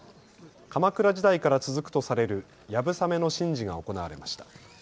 鎌倉時代から続くとされるやぶさめの神事が行われました。